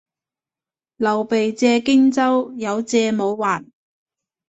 劉備借荊州，有借冇還